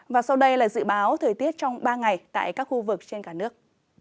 và sau đây là dự báo thời tiết trong ba ngày tại các khu vực trên cả nước